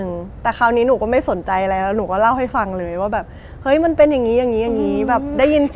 ยังเล่าไม่เสร็จเสียงโทรศัพท์แบบ